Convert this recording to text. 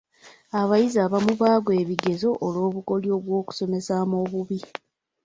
Abayizi abamu bagwa ebigezo olw'obukodyo by'okusomesamu obubi.